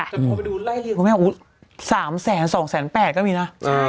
พอไปดูไร้เรียนคุณแม่สามแสนสองแสนแปดก็มีนะ